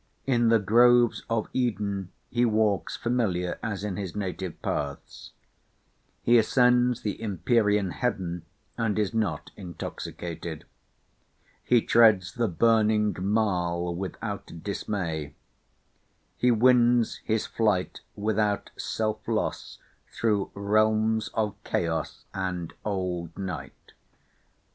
In the groves of Eden he walks familiar as in his native paths. He ascends the empyrean heaven, and is not intoxicated. He treads the burning marl without dismay; he wins his flight without self loss through realms of chaos "and old night."